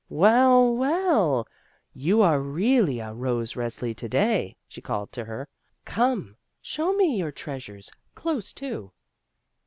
"WeU, well, you are really a Rose Resli to day," she called to her; "come, show me your treasures close to."